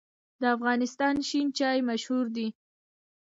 د افغانستان شین چای مشهور دی